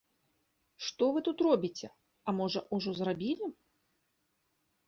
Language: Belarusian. Што вы тут робіце, а можа, ужо зрабілі?